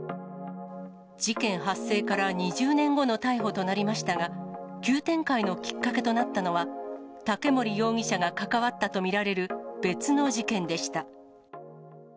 事件発生から２０年後の逮捕となりましたが、急展開のきっかけとなったのは、竹森容疑者が関わったと見られる別の事件でした。